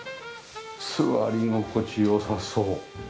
座り心地良さそう。